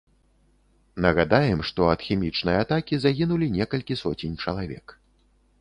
Нагадаем, што ад хімічнай атакі загінулі некалькі соцень чалавек.